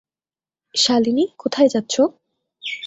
শালিনী, কোথায় যাচ্ছ?